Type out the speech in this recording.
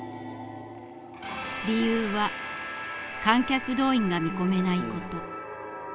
理由は観客動員が見込めないこと。